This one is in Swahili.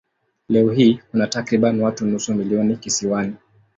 Leo hii kuna takriban watu nusu milioni kisiwani.